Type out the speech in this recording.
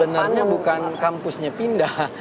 sebenarnya bukan kampusnya pindah